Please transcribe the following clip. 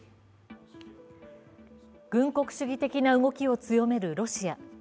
軍国主義的な動きを強めるロシア。